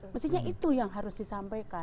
mestinya itu yang harus disampaikan